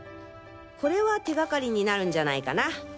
これは手がかりになるんじゃないかな。